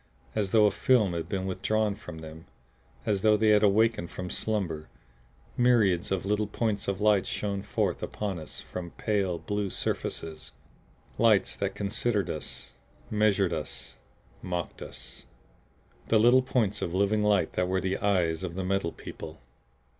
As though a film had been withdrawn from them, as though they had awakened from slumber, myriads of little points of light shone forth upon us from the pale blue surfaces lights that considered us, measured us mocked us. The little points of living light that were the eyes of the Metal People!